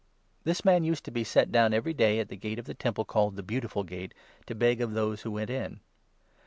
This man used to be set down every day at the gate of the Temple called 'the Beautiful Gate,' to beg of those who went in.